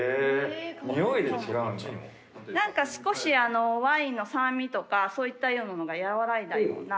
何か少しワインの酸味とかそういったようなのが和らいだような。